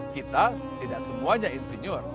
kita tidak semuanya insinyur